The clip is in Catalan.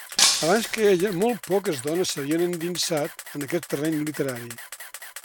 Abans que ella, molt poques dones s'havien endinsat en aquest terreny literari.